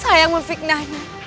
saya yang memfiknahnya